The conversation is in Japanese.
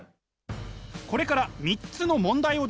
これから３つの問題を出します。